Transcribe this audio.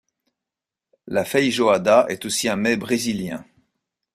La feijoada est aussi un mets brésilien.